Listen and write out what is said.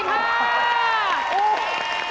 ๔๕บาท